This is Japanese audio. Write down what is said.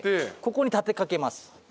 こう立てかけます。